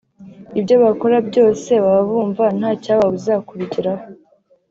ibyo bakora byose baba bumva ntacyababuza kubigeraho